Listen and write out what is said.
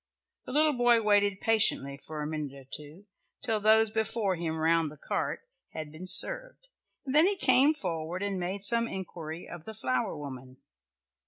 The little boy waited patiently for a minute or two, till those before him round the cart had been served, and then he came forward and made some inquiry of the flower woman.